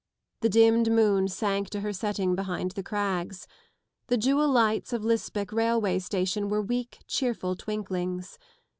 The dimmed moon sank to her setting behind the crags. The jewel lights of Lisbech railway station were weak, cheerful twinklings.